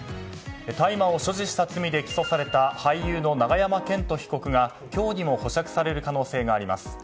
大麻を所持した罪で起訴された俳優の永山絢斗被告が今日にも保釈される可能性があります。